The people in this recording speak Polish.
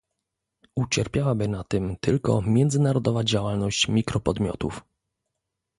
Ucierpiałaby na tym tylko międzynarodowa działalność mikropodmiotów